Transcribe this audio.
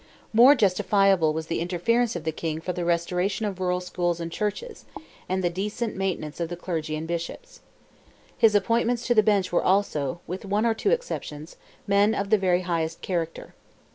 More justifiable was the interference of the King for the restoration of rural schools and churches, and the decent maintenance of the clergy and bishops. His appointments to the bench were also, with one or two exceptions, men of the very highest character.